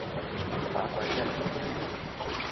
把鬼咩